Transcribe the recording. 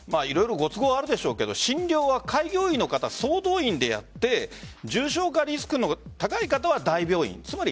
色々ご都合はあるでしょうけど診療は開業医の方総動員でやって重症化リスクの高い方は大病院。